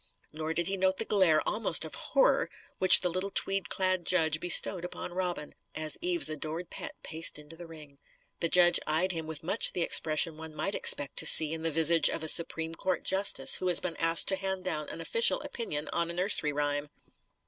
Nor did he note the glare, almost of horror, which the little tweed clad judge bestowed upon Robin; as Eve's adored pet paced into the ring. The judge eyed him with much the expression one might expect to see in the visage of a Supreme Court justice who has been asked to hand down an official opinion on a nursery rhyme.